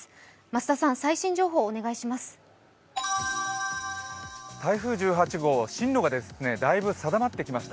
増田さん、最新情報をお願いします